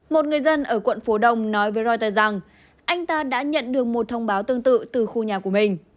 một người dân ở quận phú đông nói với reuters rằng anh ta đã nhận được một thông báo tương tự từ khu nhà của mình